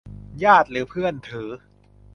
ญาติหรือเพื่อนถือ